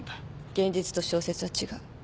現実と小説は違う。